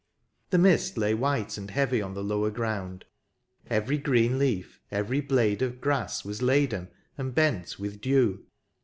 The mist lay white and heavy on the lower ground ; every green leaf, every blade of grass, was laden and bent with dew.